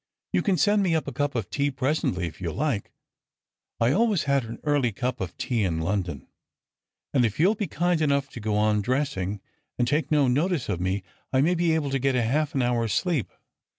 You can send me up a cup of tea presently, if you like ; I always had an early cup of tea in Lon don. And if you'll be kind enough to go on dressing and take no notice of me, I may be able to get half an hour's sleep."